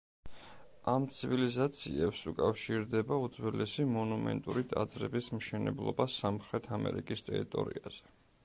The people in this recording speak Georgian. ამ ცივილიზაციებს უკავშირდება უძველესი მონუმენტური ტაძრების მშენებლობა სამხრეთ ამერიკის ტერიტორიაზე.